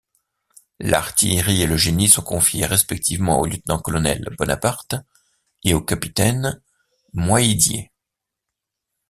L'artillerie et le génie sont confiés respectivement au lieutenant-colonel Bonaparte et au capitaine Moydié.